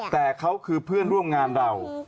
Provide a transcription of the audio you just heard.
แต่เขาคือเพื่อนร่วมงานเรา